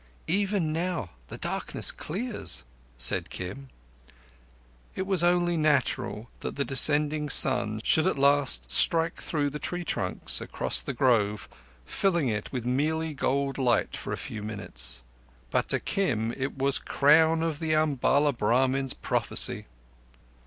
"Even now the darkness clears," said Kim. It was only natural that the descending sun should at last strike through the tree trunks, across the grove, filling it with mealy gold light for a few minutes; but to Kim it was the crown of the Umballa Brahmin's prophecy.